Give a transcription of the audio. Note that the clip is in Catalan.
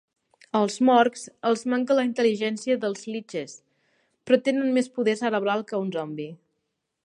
Als mohrgs els manca la intel·ligència dels liches però tenen més poder cerebral que un zombi.